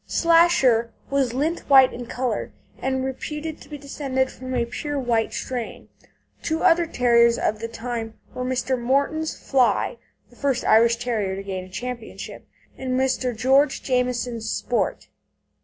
Slasher was lint white in colour, and reputed to be descended from a pure white strain. Two other terriers of the time were Mr. Morton's Fly (the first Irish Terrier to gain a championship) and Mr. George Jamison's Sport.